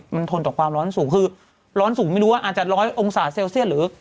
มันทนต่อความร้อนสูงคือร้อนสูงไม่รู้ว่าอาจจะร้อยองศาเซลเซียสหรือ